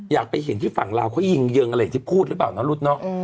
อยากไปเห็นที่ฝั่งลาวเขายึงเยิงอะไรที่พูดหรือเปล่า